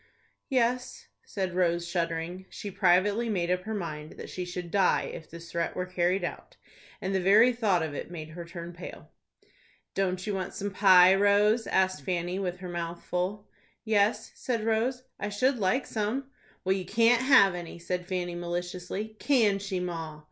"Yes," said Rose, shuddering. She privately made up her mind that she should die if this threat were carried out, and the very thought of it made her turn pale. "Don't you want some pie, Rose?" asked Fanny, with her mouth full. "Yes," said Rose, "I should like some." "Well, you can't have any," said Fanny, maliciously. "Can she, ma?"